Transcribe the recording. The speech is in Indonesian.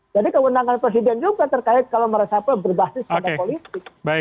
jadi kewenangan presiden juga terkait kalau meresapel berbasis pada politik